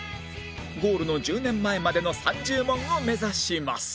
ゴールの１０年前までの３０問を目指します